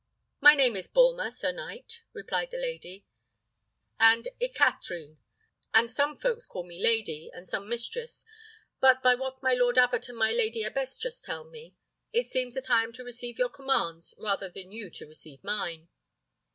"My name is Bulmer, sir knight," replied the lady, "and eke Katrine, and some folks call me lady, and some mistress; but by what my lord abbot and my lady abbess just tell me, it seems that I am to receive your commands rather than you to receive mine."